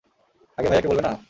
আগে ভাইয়াকে বলবে না?